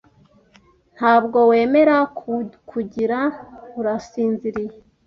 Ntabwo wemera kukugira Urasinziriye